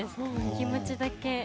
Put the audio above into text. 気持ちだけ。